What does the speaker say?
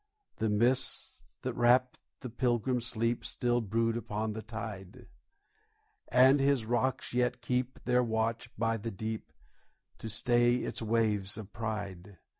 The mists that wrapped the Pilgrim's sleep Still brood upon the tide; And his rocks yet keep their watch by the deep To stay its waves of pride.